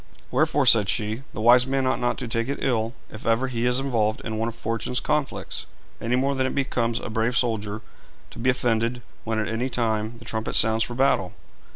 'Wherefore,' said she, 'the wise man ought not to take it ill, if ever he is involved in one of fortune's conflicts, any more than it becomes a brave soldier to be offended when at any time the trumpet sounds for battle.